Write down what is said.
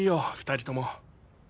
２人とも。